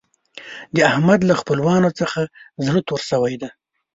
د احمد له خپلوانو څخه زړه تور شوی دی.